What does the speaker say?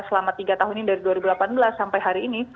selama tiga tahun ini dari dua ribu delapan belas sampai hari ini